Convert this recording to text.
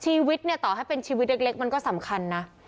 ชีวิตเนี่ยต่อให้เป็นชีวิตเล็กมันก็สำคัญนะ